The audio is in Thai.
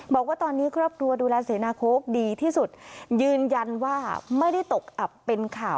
บอกว่าตอนนี้ครอบครัวดูแลเสนาโค้กดีที่สุดยืนยันว่าไม่ได้ตกอับเป็นข่าว